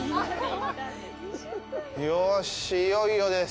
よし、いよいよです。